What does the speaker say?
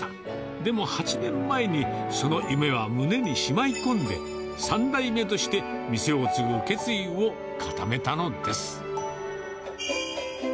でも８年前に、その夢は胸にしまい込んで、３代目として店を継ぐ決意を固めたのです。